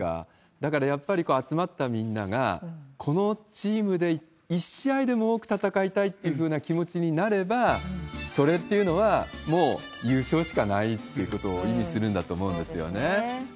だからやっぱり集まったみんなが、このチームで一試合でも多く戦いたいっていうふうな気持ちになれば、それっていうのは、もう優勝しかないってことを意味するんだと思うんですよね。